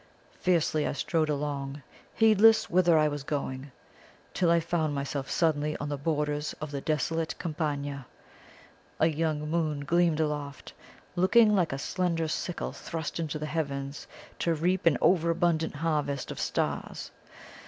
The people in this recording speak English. Fiercely I strode along, heedless whither I was going, till I found myself suddenly on the borders of the desolate Campagna. A young moon gleamed aloft, looking like a slender sickle thrust into the heavens to reap an over abundant harvest of stars.